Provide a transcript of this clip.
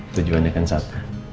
tujuan nya kan satu